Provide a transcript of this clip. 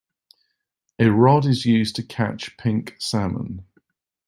A rod is used to catch pink salmon.